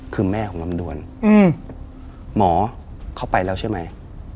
คือแม่ของลำดวนหมอเข้าไปแล้วใช่ไหม